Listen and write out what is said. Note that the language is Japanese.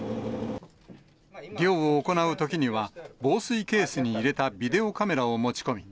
漁を行うときには、防水ケースに入れたビデオカメラを持ち込み。